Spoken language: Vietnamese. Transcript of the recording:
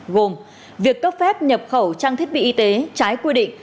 gồm việc cấp phép nhập khẩu trang thiết bị y tế trái quy định